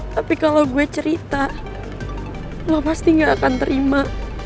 tapi kalau gue cerita lo pasti gak akan terima